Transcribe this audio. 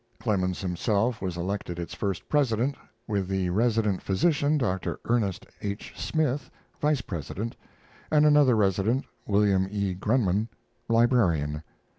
Clemens himself was elected its first president, with the resident physician, Dr. Ernest H. Smith, vice president, and another resident, William E. Grumman, librarian.